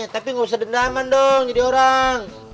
tapi nggak usah dendaman dong jadi orang